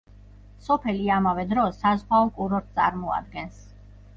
სოფელი ამავე დროს საზღვაო კურორტს წარმოადგენს.